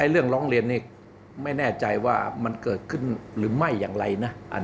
เรื่องร้องเรียนนี้ไม่แน่ใจว่ามันเกิดขึ้นหรือไม่อย่างไรนะ